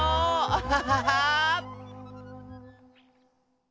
アハハハー！